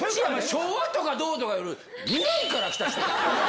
昭和とかどうとかより、未来から来た人？